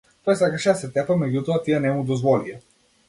Тој сакаше да се тепа меѓутоа тие не му дозволија.